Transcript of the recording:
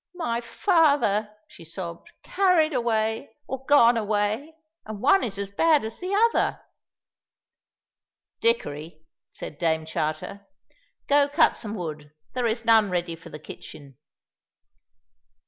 "My father," she sobbed, "carried away, or gone away, and one is as bad as the other!" "Dickory," said Dame Charter, "go cut some wood; there is none ready for the kitchen."